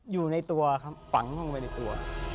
อยู่ในตัวครับฝังลงไปในตัว